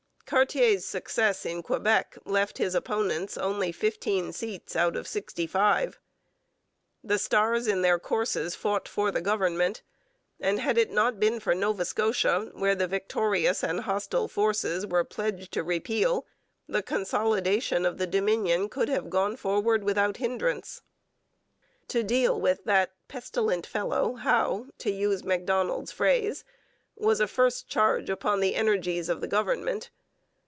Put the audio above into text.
Cartier's success in Quebec left his opponents only fifteen seats out of sixty five. The stars in their courses fought for the government; and had it not been for Nova Scotia, where the victorious and hostile forces were pledged to repeal, the consolidation of the Dominion could have gone forward without hindrance. To deal with 'that pestilent fellow Howe,' to use Macdonald's phrase, was a first charge upon the energies of the government.